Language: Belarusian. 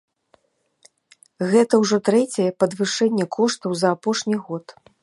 Гэта ўжо трэцяе падвышэнне коштаў за апошні год.